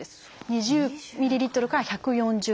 ２０ｍＬから１４０ｍＬ。